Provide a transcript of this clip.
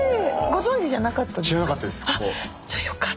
ご存じじゃなかったですか？